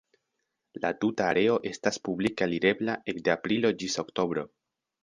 La tuta areo estas publike alirebla ekde aprilo ĝis oktobro.